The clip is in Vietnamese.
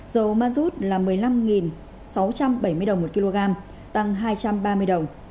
dầu mazut là một mươi năm sáu trăm bảy mươi đồng một kg tăng hai trăm ba mươi đồng